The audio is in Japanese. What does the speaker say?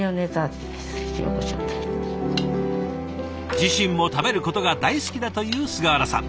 自身も食べることが大好きだという菅原さん。